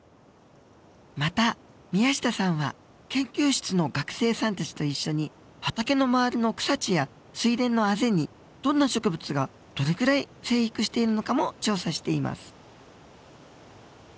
また宮下さんは研究室の学生さんたちと一緒に畑の周りの草地や水田のあぜにどんな植物がどれくらい生育しているのかも調査しています。